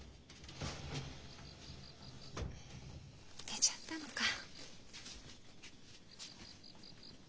寝ちゃったのか。